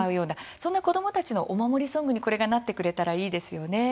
そんな子どもたちのお守りソングになってくれたらいいですね。